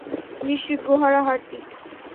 নিশ্চিত গো-হারা হারতি।